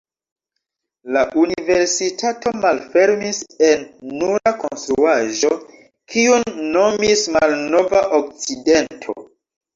La universitato malfermis en nura konstruaĵo, kiun nomis Malnova Okcidento.